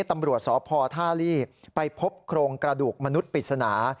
ตำรวจสพท่าลี่ไปพบโครงกระดูกมนุษย์ปริศนา